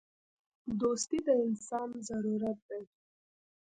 • دوستي د انسان ضرورت دی.